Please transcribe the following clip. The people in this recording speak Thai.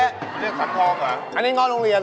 นี่คำพอบเหรออันนี้งอกโรงเรียน